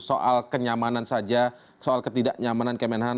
soal kenyamanan saja soal ketidaknyamanan kemenhan